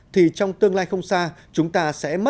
thì trong tương lai không xa